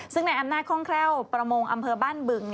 ซึ่งในอำนาจคล่องแคล่วประมงอำเภอบ้านบึง